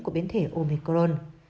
của biến thể omicron